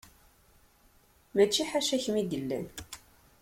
Mačči ḥaca kemm i yellan.